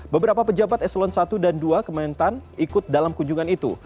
beberapa pejabat eselon satu dan dua kementan ikut dalam kunjungan itu